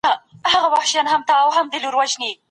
همیشه د ټولنیزو نهادونو ساتنه وکړئ.